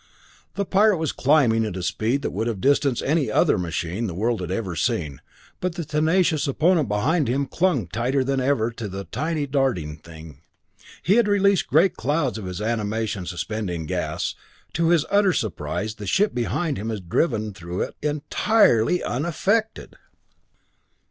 The pirate was climbing at a speed that would have distanced any other machine the world had ever seen, but the tenacious opponent behind him clung ever tighter to the tiny darting thing. He had released great clouds of his animation suspending gas. To his utter surprise, the ship behind him had driven right through it, entirely unaffected!